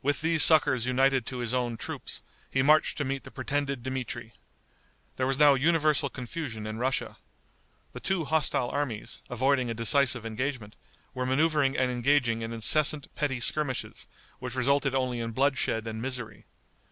With these succors united to his own troops, he marched to meet the pretended Dmitri. There was now universal confusion in Russia. The two hostile armies, avoiding a decisive engagement, were maneuvering and engaging in incessant petty skirmishes, which resulted only in bloodshed and misery.